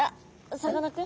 さかなクン